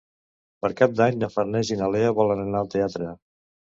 Per Cap d'Any na Farners i na Lea volen anar al teatre.